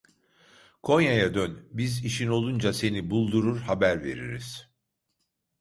Konya’ya dön, biz işin olunca seni buldurur, haber veririz.